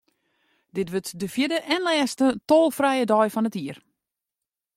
Dit wurdt de fjirde en lêste tolfrije dei fan dit jier.